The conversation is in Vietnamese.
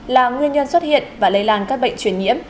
là nguyên nhân xuất hiện và lây lan các bệnh truyền nhiễm